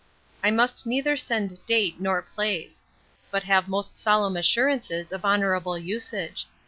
'I must neither send date nor place; but have most solemn assurances of honourable usage.